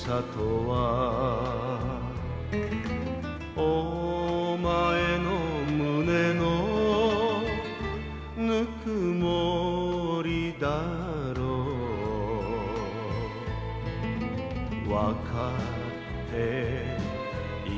「お前の胸のぬくもりだろう」「分かっているけど」